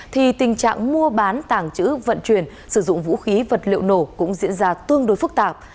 thì tình trạng mua bán tàng trữ vận chuyển sử dụng vũ khí vật liệu nổ cũng diễn ra tương đối phức tạp